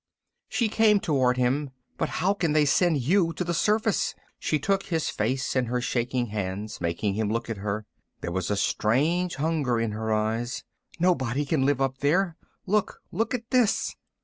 She came toward him. "But how can they send you to the surface?" She took his face in her shaking hands, making him look at her. There was a strange hunger in her eyes. "Nobody can live up there. Look, look at this!"